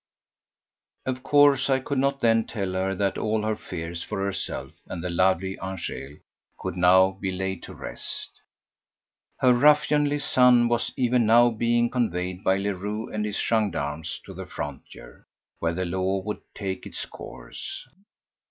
Of course I could not then tell her that all her fears for herself and the lovely Angèle could now be laid to rest. Her ruffianly son was even now being conveyed by Leroux and his gendarmes to the frontier, where the law would take its course.